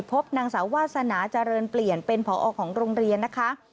พบนางสาววาสนาเจริญเปลี่ยนเป็นผอของโรงเรียนนะคะ